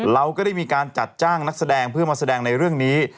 เราก็ได้มีการจัดจ้างพวกนักแสดงมาพูดสัดแสดงในว่านี้